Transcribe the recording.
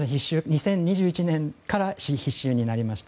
２０２１年から必修になりました。